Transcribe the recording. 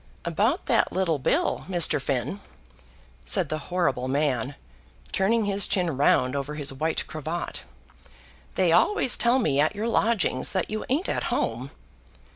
"About that little bill, Mr. Finn," said the horrible man, turning his chin round over his white cravat. "They always tell me at your lodgings that you ain't at home."